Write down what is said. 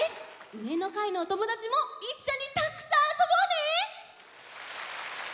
うえのかいのおともだちもいっしょにたくさんあそぼうね！